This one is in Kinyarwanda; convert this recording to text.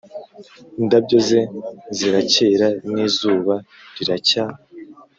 indabyo ze ziracyera, n'izuba riracya,